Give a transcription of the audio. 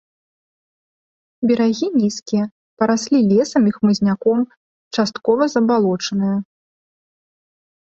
Берагі нізкія, параслі лесам і хмызняком, часткова забалочаныя.